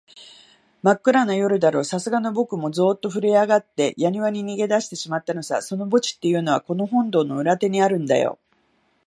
まっくらな夜だろう、さすがのぼくもゾーッとふるえあがって、やにわに逃げだしてしまったのさ。その墓地っていうのは、この本堂の裏手にあるんだよ。